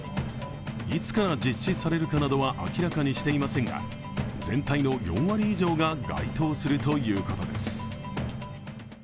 いつから実施されるかなどは明らかにしていませんが全体の４割以上が該当するということです。